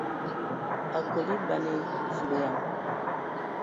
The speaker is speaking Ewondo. Akol a eban e ! Zulǝyaŋ!